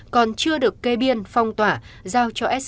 còn chưa được kê biên phong tỏa